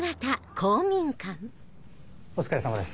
お疲れさまです。